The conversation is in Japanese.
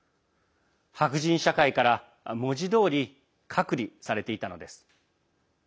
白人社会から文字どおり隔離されていたのです。